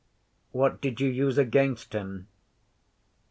What did you use against him?